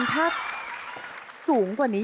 ไม่รู้เลย